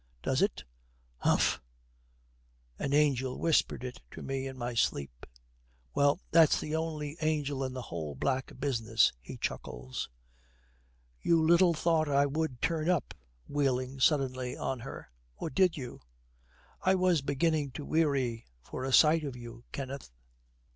'Does it?' 'Umpha.' 'An angel whispered it to me in my sleep.' 'Well, that's the only angel in the whole black business.' He chuckles. 'You little thought I would turn up!' Wheeling suddenly on her. 'Or did you?' 'I was beginning to weary for a sight of you, Kenneth.'